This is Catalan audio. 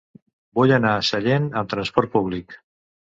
Vull anar a Sallent amb trasport públic.